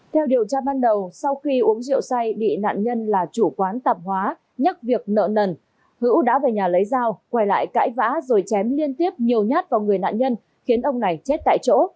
theo điều tra ban đầu sau khi uống rượu say bị nạn nhân là chủ quán tạp hóa nhắc việc nợ nần hữu đã về nhà lấy dao quay lại cãi vã rồi chém liên tiếp nhiều nhát vào người nạn nhân khiến ông này chết tại chỗ